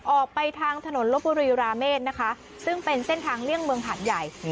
ออกไปทางถนนลบบุรีราเมฆนะคะซึ่งเป็นเส้นทางเลี่ยงเมืองหาดใหญ่